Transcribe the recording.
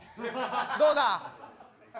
どうだ。